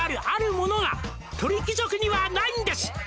「あるものが鳥貴族にはないんです」